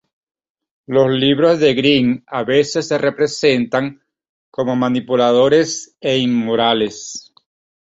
Los libros de Greene a veces se representan como manipuladores e inmorales.